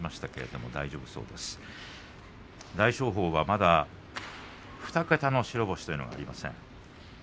大翔鵬はまだ２桁の白星というのがありません。